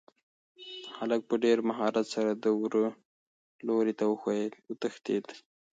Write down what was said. هلک په ډېر مهارت سره د وره لوري ته وتښتېد.